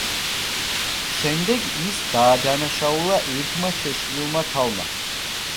შემდეგ ის დაადანაშაულა ერთმა შეშლილმა ქალმა.